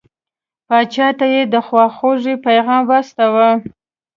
پاچا ته یې د خواخوږی پیغام واستاوه.